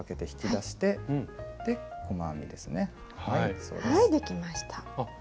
はいできました。